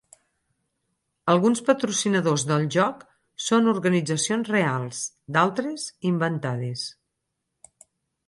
Alguns patrocinadors del joc són organitzacions reals; d'altres, inventades.